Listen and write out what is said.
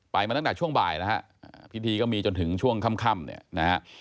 มาตั้งแต่ช่วงบ่ายแล้วฮะพิธีก็มีจนถึงช่วงค่ำเนี่ยนะฮะ